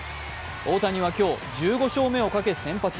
大谷は今日、１５勝目をかけ先発。